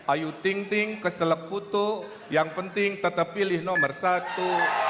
ayu ting ting keselek putu yang penting tetap pilih nomor satu